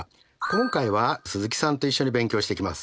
今回は鈴木さんと一緒に勉強していきます。